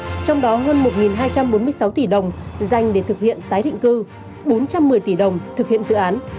trong đó hơn một hai trăm bốn mươi sáu tỷ đồng dành để thực hiện tái định cư bốn trăm một mươi tỷ đồng thực hiện dự án